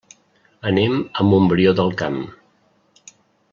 Anem a Montbrió del Camp.